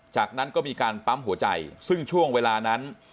จากนั้นก็มีการปั๊มหัวใจซึ่งช่วงเวลานั้น